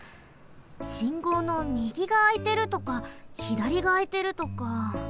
信号のみぎがあいてるとかひだりがあいてるとか。